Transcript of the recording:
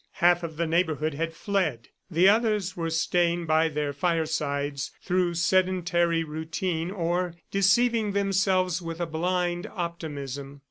Half of the neighborhood had fled; the others were staying by their firesides through sedentary routine, or deceiving themselves with a blind optimism.